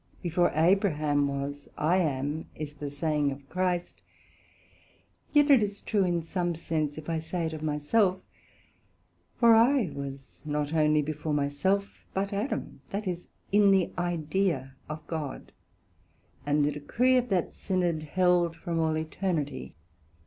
Before Abraham was, I am, is the saying of Christ; yet is it true in some sense, if I say it of myself; for I was not onely before myself, but Adam, that is, in the Idea of God, and the decree of that Synod held from all Eternity.